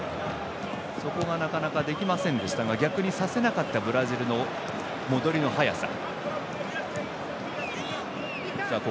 そこがなかなかできませんでしたが逆にさせなかったブラジルの戻りの速さ。